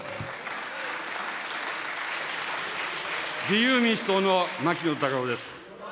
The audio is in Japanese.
自由民主党の牧野たかおです。